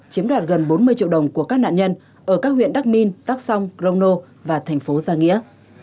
chiếm đoạt gần bốn mươi triệu đồng của các nạn nhân ở các huyện đắc minh đắc song crono và thành phố gia nghĩa